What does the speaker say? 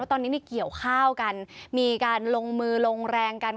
ตอนนี้เกี่ยวข้าวกันมีการลงมือลงแรงกัน